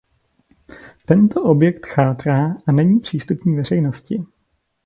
Tento objekt chátrá a není přístupný veřejnosti.